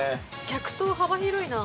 客層幅広いな。